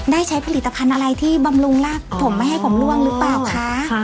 ได้ใช้ผลิตภัณฑ์อะไรที่บำรุงรากผมไม่ให้ผมล่วงหรือเปล่าคะ